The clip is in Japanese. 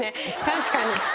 確かに。